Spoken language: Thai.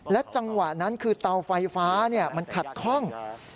จังหวะนั้นคือเตาไฟฟ้ามันขัดคล่อง